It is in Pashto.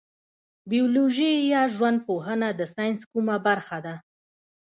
بیولوژي یا ژوند پوهنه د ساینس کومه برخه ده